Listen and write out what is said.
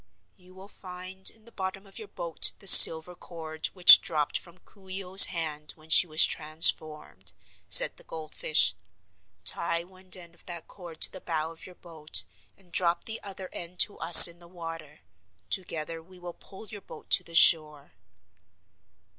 "You will find in the bottom of your boat the silver cord which dropped from Coo ee oh's hand when she was transformed," said the goldfish. "Tie one end of that cord to the bow of your boat and drop the other end to us in the water. Together we will pull your boat to the shore."